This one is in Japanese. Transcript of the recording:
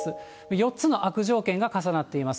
４つの悪条件が重なっています。